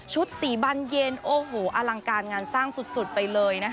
สีบันเย็นโอ้โหอลังการงานสร้างสุดไปเลยนะคะ